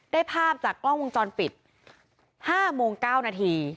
ภาพจากกล้องวงจรปิด๕โมง๙นาที